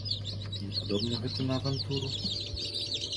Не падобна гэта на авантуру?